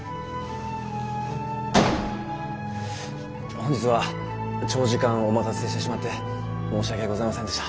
本日は長時間お待たせしてしまって申し訳ございませんでした。